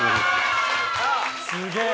すげえ！